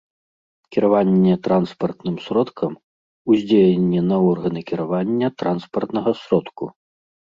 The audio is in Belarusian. Кіраванне транспартным сродкам — уздзеянне на органы кіравання транспартнага сродку